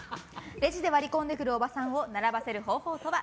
レジで割り込んでくるおばさんを並ばせる方法とは？